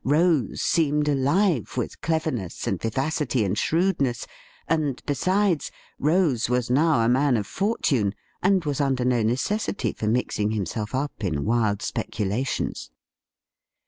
Rose seemed alive with cleverness and vivacity and shrewdness, and, besides, Rose was now a man of fortune, and was under no necessity for mixing himself up in wild speculations.